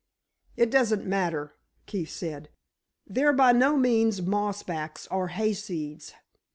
"It doesn't matter," Keefe said, "they're by no means mossbacks or hayseeds.